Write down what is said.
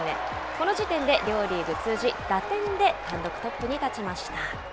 この時点で両リーグ通じ、打点で単独トップに立ちました。